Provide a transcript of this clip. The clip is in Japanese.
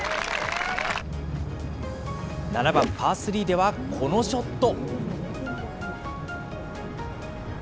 ７番パースリーではこのショット。